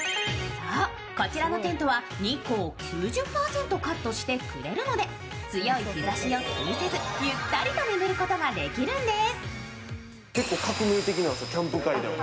そう、こちらのテントは日光を９０％カットしてくれるので強い日ざしを気にせず、ゆったりと眠ることができるんです。